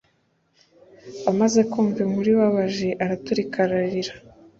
amaze kumva inkuru ibabaje, araturika ararira